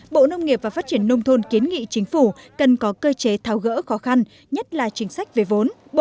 bộ nông nghiệp và phát triển nông thôn kiến nghị chính phủ